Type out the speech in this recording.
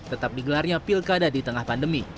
tetap digelarnya pilkada di tengah pandemi